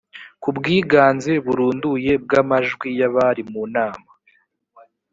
ku bwiganze burunduye bw amajwi y abari mu nama